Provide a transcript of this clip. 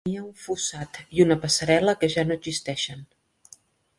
Tenia un fossat i un passarel·la que ja no existeixen.